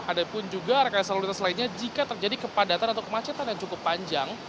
ada pun juga rekayasa lalu lintas lainnya jika terjadi kepadatan atau kemacetan yang cukup panjang